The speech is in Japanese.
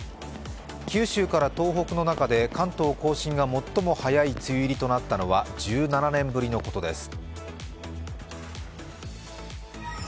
九州から東北の中で関東甲信が最も早い梅雨入りとなったのは１７年ぶりのことです。